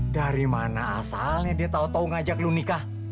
dari mana asalnya dia tau tau ngajak lo nikah